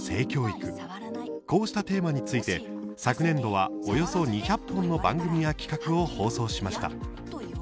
こうしたテーマについて昨年度は、およそ２００本の番組や企画を放送しました。